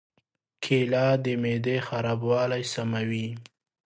کېله د معدې خرابوالی سموي.